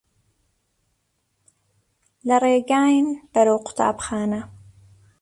لە ڕێگاین بەرەو قوتابخانە.